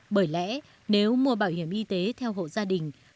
bởi lẽ nếu mua bảo hiểm y tế theo hộ gia đình